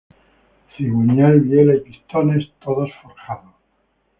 Cigüeñal, biela y pistones todos forjados.